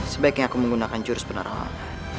sebaiknya aku menggunakan jurus penerangan